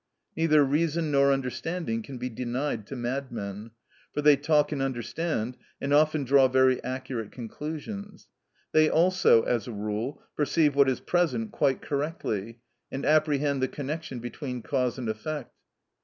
Neither reason nor understanding can be denied to madmen, for they talk and understand, and often draw very accurate conclusions; they also, as a rule, perceive what is present quite correctly, and apprehend the connection between cause and effect.